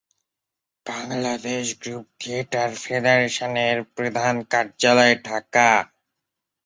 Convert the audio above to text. Bangladesh group theatre ফেডারেশনের প্রধান কার্যালয় ঢাকা।